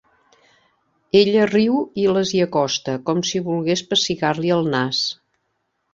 Ella riu i les hi acosta, com si volgués pessigar-li el nas.